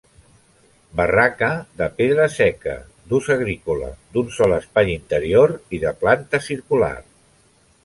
Barraca de pedra seca, d'ús agrícola, d'un sol espai interior i de planta circular.